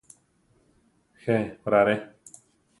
Je orare.